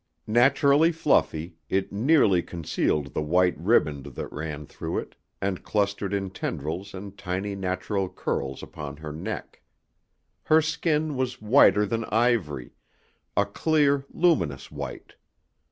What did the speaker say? Naturally fluffy, it nearly concealed the white riband that ran through it, and clustered in tendrils and tiny natural curls upon her neck. Her skin was whiter than ivory a clear, luminous white.